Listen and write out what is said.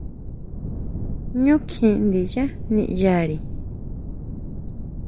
ʼÑu kjín ndiyá niʼyari.